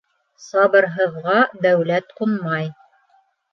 Сабырһыҙға дәүләт ҡунмай.